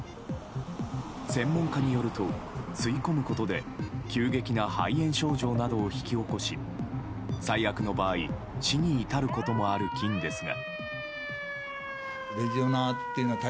専門家によると、吸い込むことで急激な肺炎症状などを引き起こし最悪の場合死に至ることもある菌ですが。